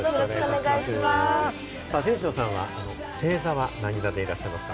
天翔さんは星座は何座でいらっしゃいますか？